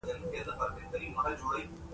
غول د غلط خوړو غبرګون دی.